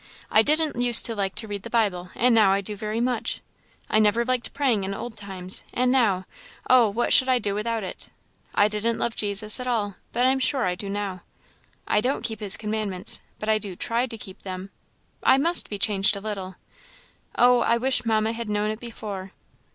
"I didn't use to like to read the Bible, and now I do very much; I never liked praying in old times, and now, oh! what should I do without it! I didn't love Jesus at all, but I am sure I do now. I don't keep his commandments, but I do try to keep them; I must be changed a little. Oh! I wish Mamma had known it before!"